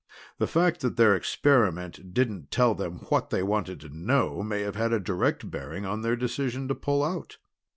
The fact that their experiment didn't tell them what they wanted to know may have had a direct bearing on their decision to pull out."